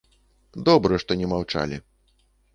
Добра, што не маўчалі.